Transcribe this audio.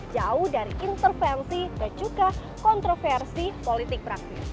jauh dari intervensi dan juga kontroversi politik praktis